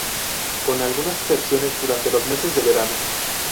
Con algunas excepciones durante los meses de verano.